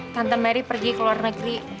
tante mary pergi ke luar negeri